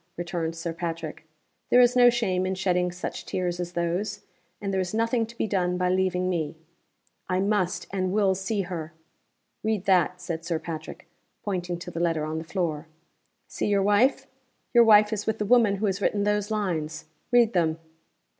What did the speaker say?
returned Sir Patrick. "There is no shame in shedding such tears as those. And there is nothing to be done by leaving me." "I must and will see her!" "Read that," said Sir Patrick, pointing to the letter on the floor. "See your wife? Your wife is with the woman who has written those lines. Read them."